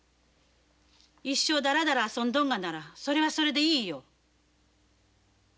一生ダラダラ遊んどんがならそれはそれでいいよ。